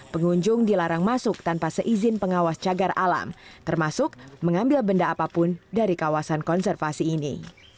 pengunjung dilarang masuk tanpa seizin pengawas cagar alam termasuk mengambil benda apapun dari kawasan konservasi ini